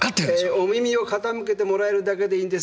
お耳を傾けてもらえるだけでいいんです。